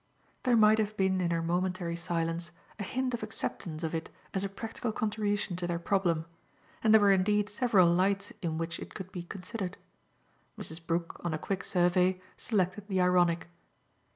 There might have been in her momentary silence a hint of acceptance of it as a practical contribution to their problem, and there were indeed several lights in which it could be considered. Mrs. Brook, on a quick survey, selected the ironic.